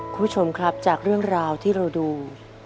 คุณผู้ชมครับจากเรื่องราวที่เราดู